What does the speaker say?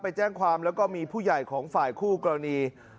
ไปแจ้งความแล้วก็มีผู้ใหญ่ของฝ่ายคู่กรณี